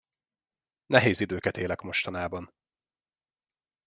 Nehéz időket élek mostanában.